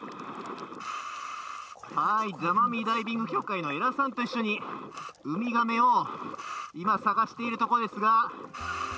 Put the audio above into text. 座間味ダイビング協会の江良さんと一緒にウミガメを今、探しているところですが。